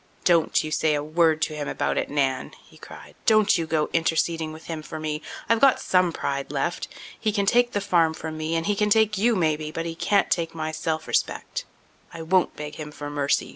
"Don't you say a word to him about it, Nan!" he cried. "Don't you go interceding with him for me. I've got some pride left. He can take the farm from me, and he can take you maybe, but he can't take my self respect. I won't beg him for mercy.